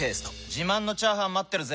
自慢のチャーハン待ってるぜ！